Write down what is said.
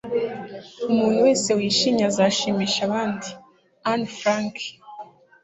umuntu wese wishimye azashimisha abandi. - anne frank